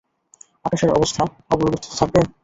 আকাশের অবস্থা অপরিবর্তিত থাকবে?